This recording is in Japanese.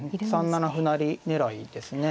３七歩成狙いですね。